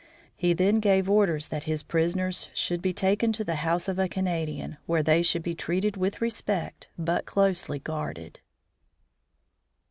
He then gave orders that his prisoners should be taken to the house of a Canadian, where they should be treated with respect, but closely guarded.